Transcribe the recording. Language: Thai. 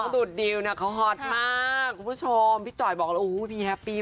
ดุดิวนี่คือใครดิ